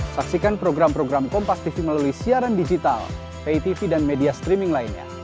saksikan program program kompastv melalui siaran digital pitv dan media streaming lainnya